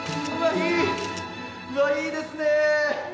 いいうわいいですね